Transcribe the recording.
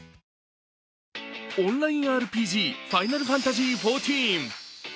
オンラインＲＰＧ、「ファイナルファンタジーⅩⅣ」。